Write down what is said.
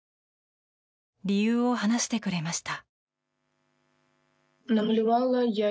理由を話してくれました。